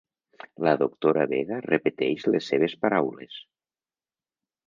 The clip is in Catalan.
La doctora Vega repeteix les seves paraules.